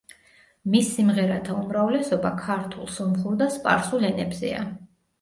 მის სიმღერათა უმრავლესობა ქართულ, სომხურ და სპარსულ ენებზეა.